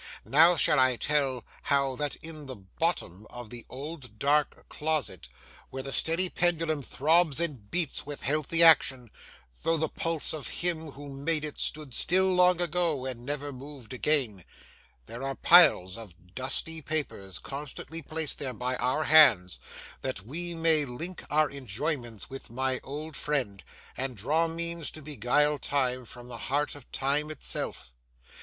Now shall I tell how that in the bottom of the old dark closet, where the steady pendulum throbs and beats with healthy action, though the pulse of him who made it stood still long ago, and never moved again, there are piles of dusty papers constantly placed there by our hands, that we may link our enjoyments with my old friend, and draw means to beguile time from the heart of time itself?